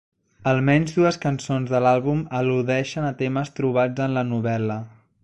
Almenys dues cançons de l'àlbum al·ludeixen a temes trobats en la novel·la.